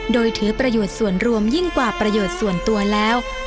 โดยถือประโยชน์ส่วนรวมยิ่งกว่าประโยชน์ส่วนตัวแล้ว